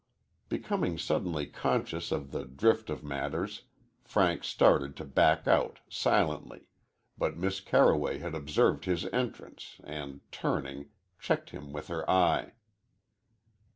Becoming suddenly conscious of the drift of matters, Frank started to back out, silently, but Miss Carroway had observed his entrance and, turning, checked him with her eye.